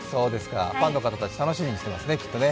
ファンの方たち、きっと楽しみにしてますね。